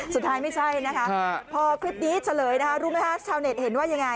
ไม่ใช่นะคะพอคลิปนี้เฉลยนะคะรู้ไหมคะชาวเน็ตเห็นว่ายังไง